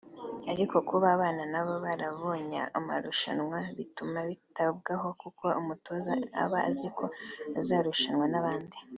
Ariko kuba abana na bo barabonye amarushanwa bituma bitabwaho kuko umutoza aba azi ko azarushanwa n’abandi